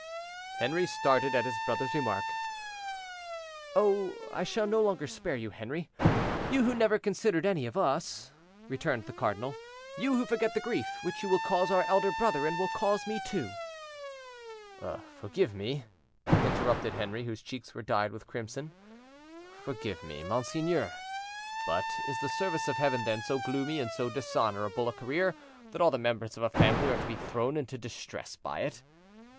Henri started at his brother's remark. "Oh! I shall no longer spare you. Henri, you, who never consider any of us," returned the cardinal; "you, who forget the grief which you will cause our elder brother, and will cause me too—" "Forgive me," interrupted Henri, whose cheeks were dyed with crimson, "forgive me, monseigneur; but is the service of Heaven then so gloomy and so dishonorable a career that all the members of a family are to be thrown into distress by it?